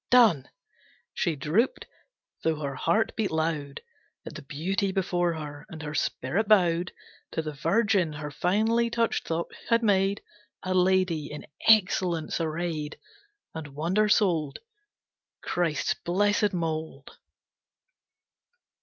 Done! She drooped, though her heart beat loud At the beauty before her, and her spirit bowed To the Virgin her finely touched thought had made. A lady, in excellence arrayed, And wonder souled. Christ's Blessed Mould!